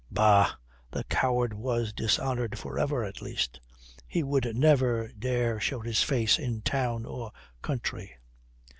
Bah, the coward was dishonoured for ever, at least. He would never dare show his face in town or country.